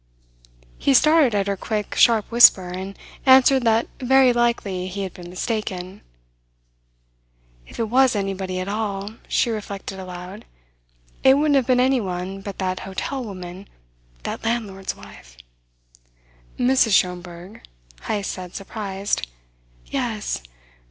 He started at her quick, sharp whisper, and answered that very likely he had been mistaken. "If it was anybody at all," she reflected aloud, "it wouldn't have been anyone but that hotel woman the landlord's wife." "Mrs. Schomberg," Heyst said, surprised. "Yes.